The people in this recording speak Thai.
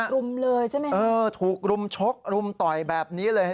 รุมเลยใช่ไหมคะเออถูกรุมชกรุมต่อยแบบนี้เลย